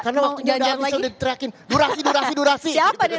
karena waktu ini bisa diteriakin durasi durasi durasi